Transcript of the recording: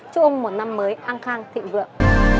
chúc ông một năm mới an khang thị vượng